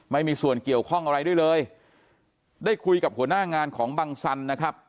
ไม่มีส่วนเกี่ยวข้องอะไรด้วยเลยได้คุยกับหัวหน้างานของบังสันนะครับ